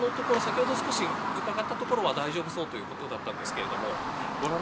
ただ、今のところ、先ほど少し伺ったところは大丈夫そうということでした。